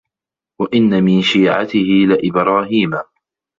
وَإِنَّ مِن شيعَتِهِ لَإِبراهيمَ